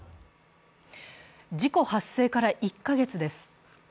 事故発生から１か月です。